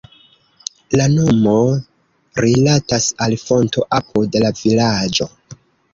La nomo rilatas al fonto apud la vilaĝo.